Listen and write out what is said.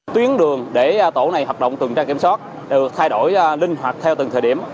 tuyến đường để tổ này hoạt động tuần tra kiểm soát được thay đổi linh hoạt theo từng thời điểm